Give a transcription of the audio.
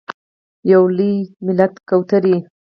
یو لوی ملت کوترې…